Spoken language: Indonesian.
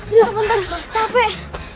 tidak bentar capek